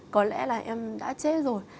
có lẽ là em đã chết rồi